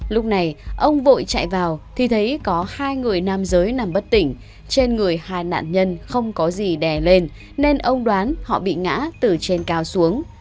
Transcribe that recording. lúc này ông vội chạy vào thì thấy có hai người nam giới nằm bất tỉnh trên người hai nạn nhân không có gì đè lên nên ông đoán họ bị ngã từ trên cao xuống